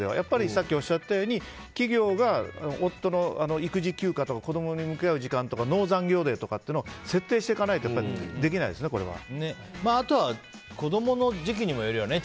さっきおっしゃったように企業が夫の育児休暇とか子供に向き合う時間とかノー残業デーとかいうのを設定していかないとあとは子供の時期にもよるよね。